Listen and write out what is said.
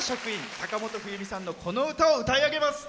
坂本冬美さんのこの歌を歌い上げます。